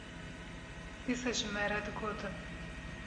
dîsa ji me re digotin